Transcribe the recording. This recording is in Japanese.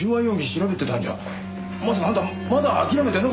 まさかあんたまだ諦めてなかったのか？